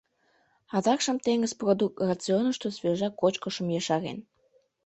Адакшым теҥыз продукт рационышто свежа кочкышым ешарен.